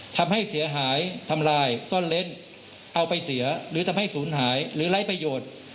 ทำให้เสียหายทำลายซ่อนเล้นเอาไปเสียหรือทำให้ศูนย์หายหรือไร้ประโยชน์